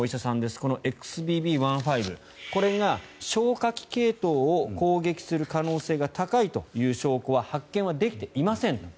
このＸＢＢ．１．５これが消化器系統を攻撃する可能性が高いという証拠は発見できていません。